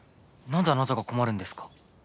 なんであなたが困るんですか？